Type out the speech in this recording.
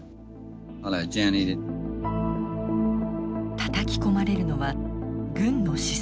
たたき込まれるのは軍の思想。